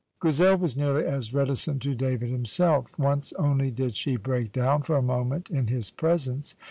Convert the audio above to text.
'" Grizel was nearly as reticent to David himself. Once only did she break down for a moment in his presence.